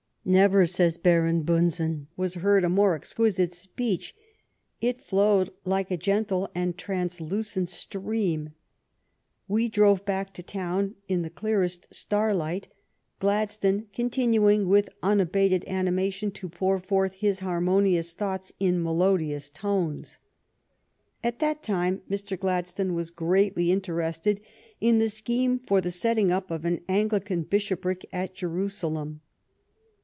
"Never," says Baron Bunsen, "was heard a more exquisite speech ; it flowed like a gentle and translucent stream. ... We drove back to town in the clearest starlight, Gladstone continuing with unabated animation to pour forth his harmonious thoughts in melodious tones." At that time Mr. Gladstone was greatly interested in the scheme for the setting up of an Anglican Bishopric at Jeru salem.